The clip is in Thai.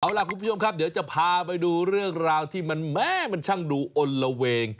เอาล่ะคุณผู้ชมครับเดี๋ยวจะพาไปดูเรื่องราวที่มันแม่มันช่างดูอลละเวง